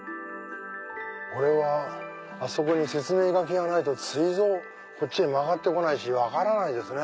これはあそこに説明書きがないとついぞこっちへ曲がってこないし分からないですね。